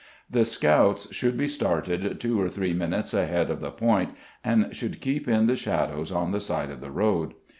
The scouts should be started two or three minutes ahead of the point, and should keep in the shadow on the side of the road.